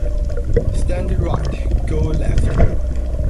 Stand right, go left.